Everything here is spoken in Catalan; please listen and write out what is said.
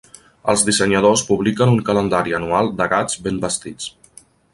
Els dissenyadors publiquen un calendari anual de gats ben vestits.